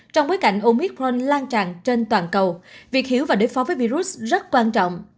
trong bối cảnh omicron lan tràn trên toàn cầu việc hiểu và đối phó với virus rất quan trọng